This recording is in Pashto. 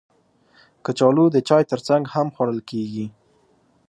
کچالو د چای ترڅنګ هم خوړل کېږي